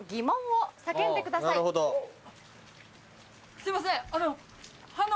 すいませんあの。